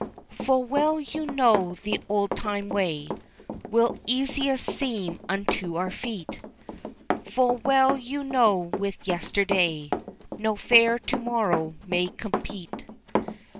Full well you know the old time way Will easiest seem unto our feet, Full well you know with yesterday No fair to morrow may compete.